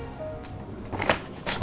saya juga telepon ya